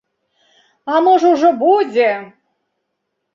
А можа, ужо будзе?